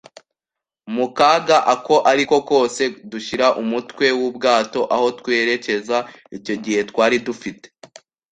Mu kaga ako ari ko kose, dushyira umutwe w'ubwato aho twerekeza. Icyo gihe twari dufite